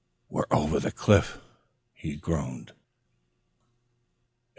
"We're over the cliff!" he groaned.